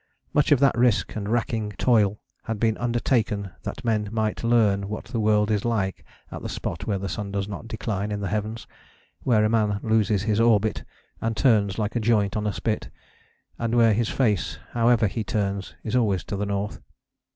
Much of that risk and racking toil had been undertaken that men might learn what the world is like at the spot where the sun does not decline in the heavens, where a man loses his orbit and turns like a joint on a spit, and where his face, however he turns, is always to the North.